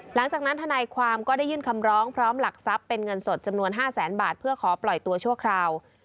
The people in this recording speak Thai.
ทนายความก็ได้ยื่นคำร้องพร้อมหลักทรัพย์เป็นเงินสดจำนวน๕แสนบาทเพื่อขอปล่อยตัวชั่วคราว